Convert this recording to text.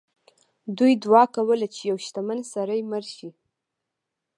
دوی دعا کوله چې یو شتمن سړی مړ شي.